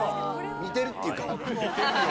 似てるっていうか。